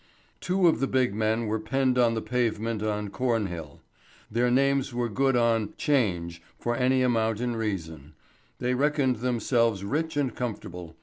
Two of the big men were penned on the pavement on Cornhill. Their names were good on "'Change" for any amount in reason; they reckoned themselves rich and comfortable.